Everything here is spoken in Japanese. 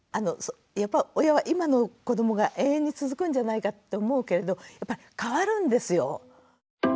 親は今の子どもが永遠に続くんじゃないかって思うけれどやっぱり変わるんですよ。